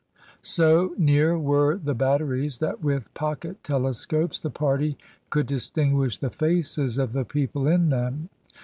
So near were the batteries, that with pocket telescopes the party could distinguish the faces of the people in them.